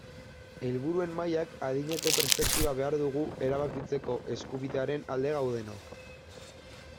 Helburuen mailak adinako perspektiba behar dugu erabakitzeko eskubidearen alde gaudenok.